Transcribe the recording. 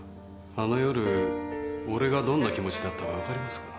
あの夜俺がどんな気持ちだったかわかりますか？